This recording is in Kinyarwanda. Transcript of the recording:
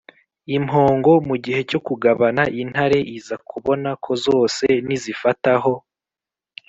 Impongo mu gihe cyo kugabana intare iza kubona ko zose nizifataho